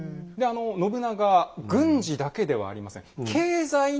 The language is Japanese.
信長軍事だけではありません。